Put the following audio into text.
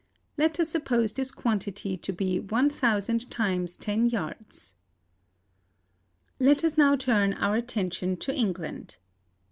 Let us suppose this quantity to be 1,000 times ten yards. "Let us now turn our attention to England.